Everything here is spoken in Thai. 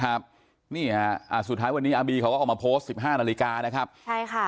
ครับนี่ฮะอ่าสุดท้ายวันนี้อาบีเขาก็ออกมาโพสต์สิบห้านาฬิกานะครับใช่ค่ะ